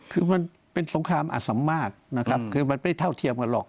คือมันเป็นสงครามอาสมมากมันไม่เท่าเทียมกันหรอก